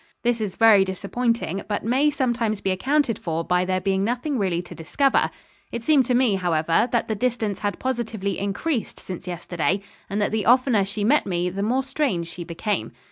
This is very disappointing, but may sometimes be accounted for by there being nothing really to discover. It seemed to me, however, that the distance had positively increased since yesterday, and that the oftener she met me the more strange she became.